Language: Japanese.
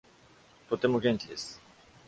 とても元気です。